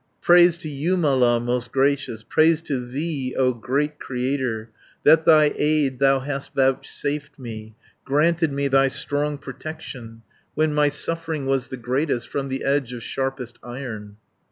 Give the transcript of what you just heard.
570 "Praise to Jumala most gracious, Praise to thee, O great Creator, That thy aid thou hast vouchsafed me, Granted me thy strong protection, When my suffering was the greatest, From the edge of sharpest Iron."